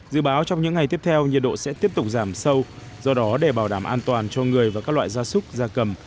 dự báo trong những ngày tiếp theo nhiệt độ sẽ tiếp tục giảm sâu do đó để bảo đảm an toàn cho người và các loại gia súc gia cầm